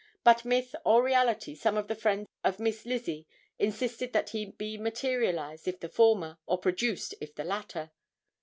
But myth or reality some of the friends of Miss Lizzie insisted that he be materialized if the former, or produced if the latter.